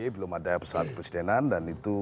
belum ada pesawat kepresidenan dan itu